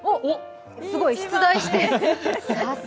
すごい、出題して。